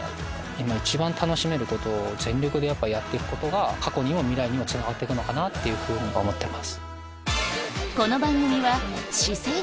今一番楽しめることを全力でやっていくことが過去にも未来にもつながっていくと思ってます。